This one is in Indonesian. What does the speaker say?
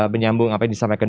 menyambung apa yang disampaikan